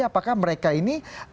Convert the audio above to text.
apakah mereka ini